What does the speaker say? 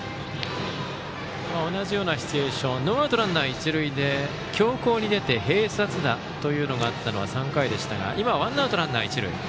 同じようなシチュエーションノーアウト、ランナー、一塁で強攻に出て併殺打というのがあったのは３回でしたが今は、ワンアウトランナー、一塁。